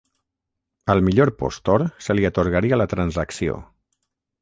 Al millor postor se li atorgaria la transacció.